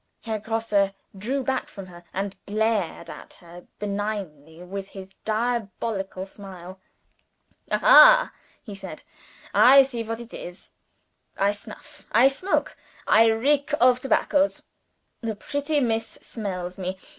Herr Grosse drew back from her, and glared at her benignantly with his diabolical smile. "Aha!" he said. "I see what it is. I snuff, I smoke, I reek of tobaccos. The pretty Miss smells me.